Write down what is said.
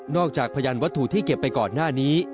จากพยานวัตถุที่เก็บไปก่อนหน้านี้